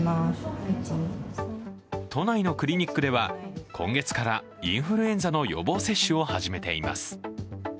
都内のクリニックでは今月からインフルエンザの予防接種を始めています。